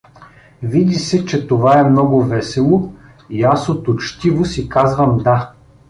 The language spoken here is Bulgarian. Види се, че това е много весело, и аз от учтивост й казвам: да!